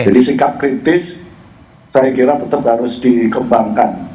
ini sikap kritis saya kira tetap harus dikembangkan